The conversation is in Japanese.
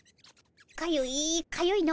かゆいかゆいの。